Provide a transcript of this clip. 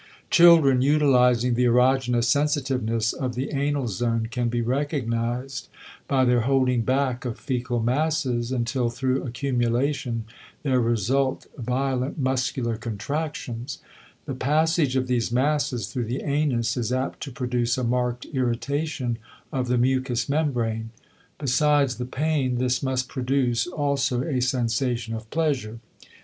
Children utilizing the erogenous sensitiveness of the anal zone can be recognized by their holding back of fecal masses until through accumulation there result violent muscular contractions; the passage of these masses through the anus is apt to produce a marked irritation of the mucus membrane. Besides the pain this must produce also a sensation of pleasure.